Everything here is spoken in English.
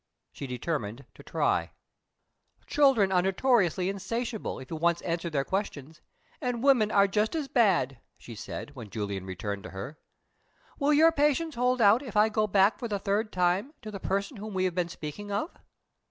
She determined to try. "Children are notoriously insatiable if you once answer their questions, and women are nearly as bad," she said, when Julian returned to her. "Will your patience hold out if I go back for the third time to the person whom we have been speaking of?"